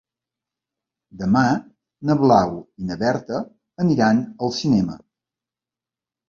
Demà na Blau i na Berta aniran al cinema.